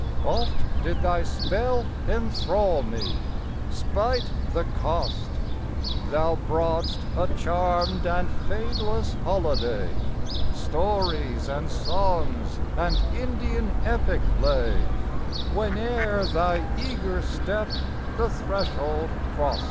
Oft did thy spell enthrall me, spite the cost! Thou brought'st a charmed and fadeless holiday Stories and songs and Indian epic lay Whene'er thy eager step the threshold crost.